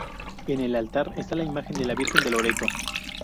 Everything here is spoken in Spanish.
En el altar está la imagen de la Virgen de Loreto.